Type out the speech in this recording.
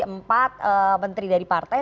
empat menteri dari partai